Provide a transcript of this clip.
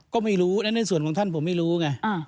ก็ไม่รู้และในส่วนของท่านผมไม่รู้ไง